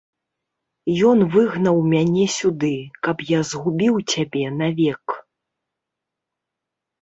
Ён выгнаў мяне сюды, каб я згубіў цябе навек.